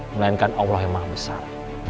melainkan allah yang maha besar